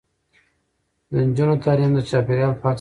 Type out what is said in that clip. د نجونو تعلیم د چاپیریال پاک ساتل دي.